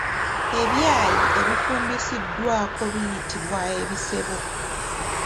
Ebyayi ebifumbisiddwako biyitibwa Ebisebo.